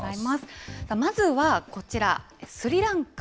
まずは、こちら、スリランカ。